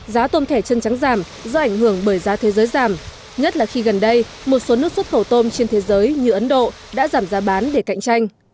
giá tôm thẻ chân trắng giảm do ảnh hưởng bởi giá thế giới giảm nhất là khi gần đây một số nước xuất khẩu tôm trên thế giới như ấn độ đã giảm giá bán để cạnh tranh